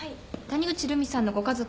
谷口留美さんのご家族